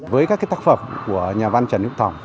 với các tác phẩm của nhà văn trần hiễu tòng